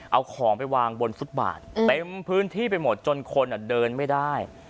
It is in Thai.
เอาของไปวางบนฟุตบาทเต็มพื้นที่ไปหมดจนคนเดินไม่ได้